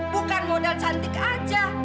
bukan modal cantik aja